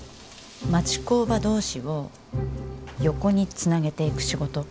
町工場同士を横につなげていく仕事。